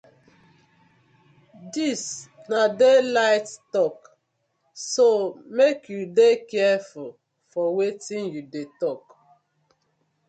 Dis na daylight tok so mek yu dey carfull for wetin yu dey tok.